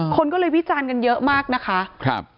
คนก็เลยวิจารณ์กันเยอะมากนะคะ